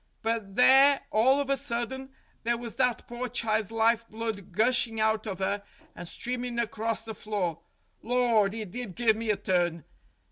But there all of a sudden there was that pore child's life blood gushing out of 'er and streamin' across the floor. Lor', it did give me a turn.